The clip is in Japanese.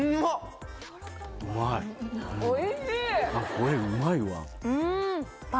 これうまいわ。